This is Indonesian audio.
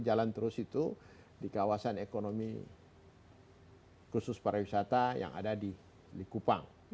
jalan terus itu di kawasan ekonomi khusus pariwisata yang ada di likupang